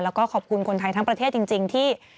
แล้วก็ขอบคุณคนไทยทั้งประเทศจริงที่